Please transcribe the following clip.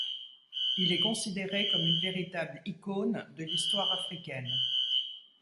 Il est considéré comme une véritable icône de l’histoire africaine.